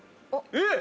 えっ！